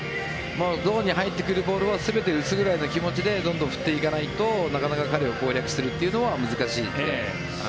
ゾーンに入ってくるボールを全て打つくらいのつもりでどんどん振っていかないとなかなか彼を攻略するっていうのは難しいと。